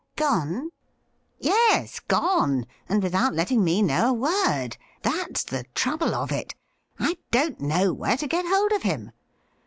' Gone ?' 'Yes, gone, and without letting me know a word. That's the trouble of it. I don't know where to get hold of him.